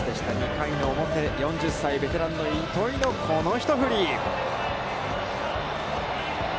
２回、４０歳ベテランの糸井のこの振り。